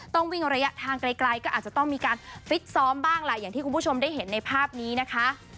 ต้องวิ่งระยะทางไกลก็อาจจะต้องมีการฟิตซ้อมบ้างแหละอย่างที่คุณผู้ชมได้เห็นในภาพนี้นะคะ